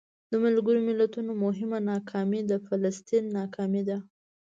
د ملګرو ملتونو مهمه ناکامي د فلسطین ناکامي ده.